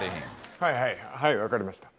はいはい、はい分かりました。